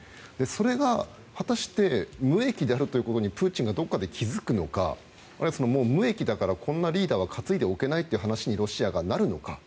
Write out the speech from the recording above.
それが果たして無益であるということにプーチンがどこかで気づくのかあるいは、無益だからこんなリーダーは担いでおけないという話にロシアがなるのか。